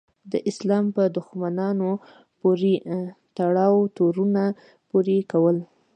د اسلام په دښمنانو پورې تړاو تورونه پورې کول.